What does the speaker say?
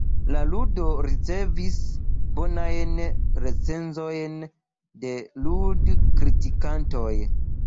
La ludo ricevis bonajn recenzojn de lud-kritikantoj.